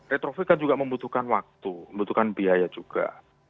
retrofit kan juga membutuhkan waktu membutuhkan biaya juga